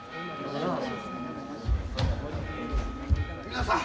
皆さん。